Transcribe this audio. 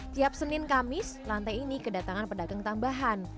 tiap senin kamis lantai ini kedatangan pedagang tambahan